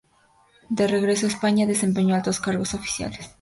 De regreso a España, desempeñó altos cargos oficiales.